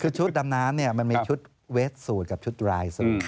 คือชุดดำน้ำมันมีชุดเวสสูตรกับชุดรายสูตร